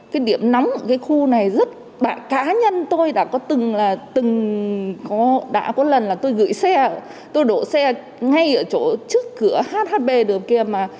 cái điểm nóng ở cái khu này cá nhân tôi đã có từng lần là tôi gửi xe tôi đổ xe ngay ở chỗ trước cửa hhb đường kia mà